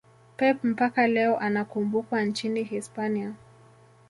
pep mpaka leo anakumbukwa nchini hispania